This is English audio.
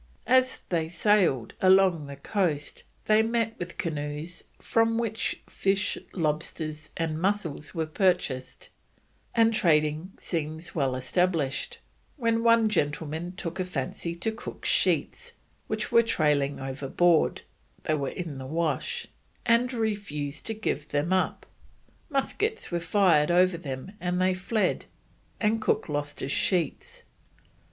As they sailed along the coast they met with canoes from which fish, lobsters, and mussels were purchased, and trading seemed well established, when one gentleman took a fancy to Cook's sheets, which were trailing overboard (they were in the wash), and refused to give them up. Muskets were fired over them and they fled, and Cook lost his sheets.